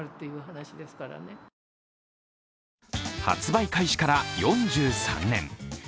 発売開始から４３年。